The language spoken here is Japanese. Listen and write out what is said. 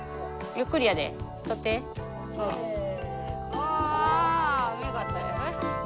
ああ見事やね。